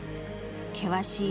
険しい